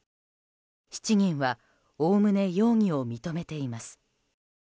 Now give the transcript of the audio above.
７人はおおむね容疑を認めています。